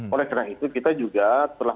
oleh karena itu kita juga telah